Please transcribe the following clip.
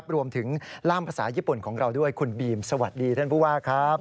รวมถึงล่ามภาษาญี่ปุ่นของเราด้วยคุณบีมสวัสดีท่านผู้ว่าครับ